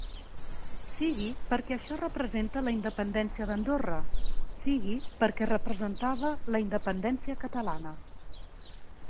Sigui perquè això representa la independència d'Andorra, sigui perquè representava la independència catalana.